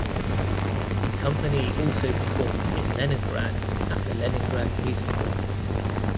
The company also performed in Leningrad at the Leningrad Music Hall.